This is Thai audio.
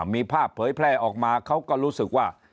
มีภาพเผยแพร่ออกมาเขาก็รู้สึกว่า